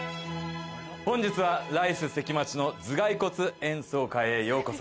本日はライス・関町の頭蓋骨演奏会へようこそ。